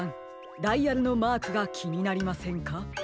ダイヤルのマークがきになりませんか？